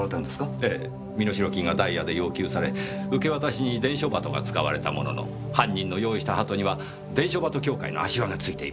ええ身代金がダイヤで要求され受け渡しに伝書鳩が使われたものの犯人の用意した鳩には伝書鳩協会の足輪が付いていました。